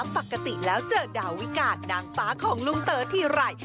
ปกติแล้วเจอดาวิกานางฟ้าของลุงเต๋อทีไร